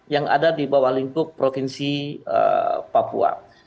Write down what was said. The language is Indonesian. yang ada di bawah lingkup provinsi papua